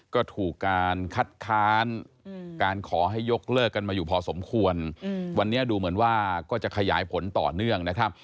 ก็ถูกการคัดค้านการขอให้ยกเลิกกันมาอยู่พอสมควรวันนี้ดูเหมือนว่าก็จะขยายผลต่อเนื่องนะครับ